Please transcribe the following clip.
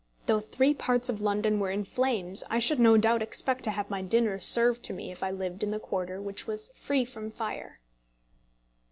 Though three parts of London were in flames I should no doubt expect to have my dinner served to me if I lived in the quarter which was free from fire.